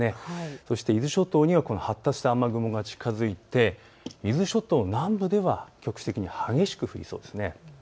そして伊豆諸島には発達した雨雲が近づいて伊豆諸島南部では局地的に激しく降りそうです。